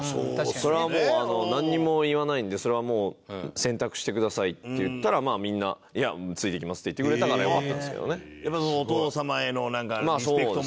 「それはもうなんにも言わないのでそれはもう選択してください」って言ったらみんな「いやついていきます」って言ってくれたからよかったんですけどね。